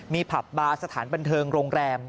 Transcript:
มีผับบาร์สถานบันเทิงโรงแรม